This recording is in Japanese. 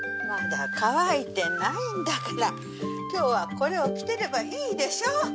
まだ乾いてないんだから今日はこれを着てればいいでしょ。